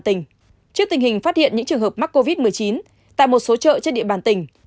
trước tình hình phát hiện những trường hợp mắc covid một mươi chín tại một số chợ trên địa bàn tỉnh